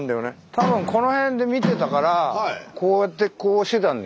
多分この辺で見てたからこうやってこうしてたんだよね。